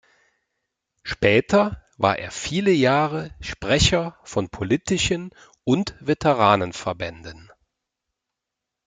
Später war er viele Jahre Sprecher von politischen und Veteranen-Verbänden.